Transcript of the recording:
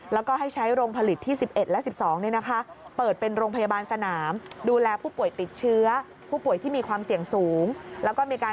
แล้วก็ให้ใช้โรงผลิตที่๑๑และ๑๒นี้นะคะ